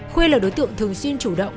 khuê là đối tượng thường xuyên chủ động